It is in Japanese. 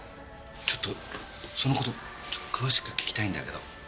ちょっとその事ちょっと詳しく聞きたいんだけど。